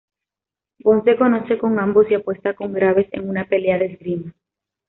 Bond se conoce con ambos y apuesta con Graves en una pelea de esgrima.